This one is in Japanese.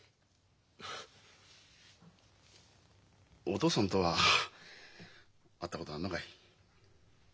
お父さんとは会ったことあんのかい？